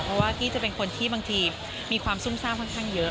เพราะว่ากี้จะเป็นคนที่บางทีมีความซุ่มซ่ามค่อนข้างเยอะ